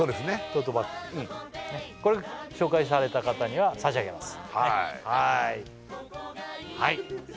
トートバッグこれ紹介された方には差し上げます